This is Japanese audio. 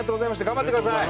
頑張ってください。